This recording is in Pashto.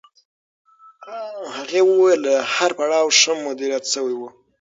هغې وویل هر پړاو ښه مدیریت شوی و.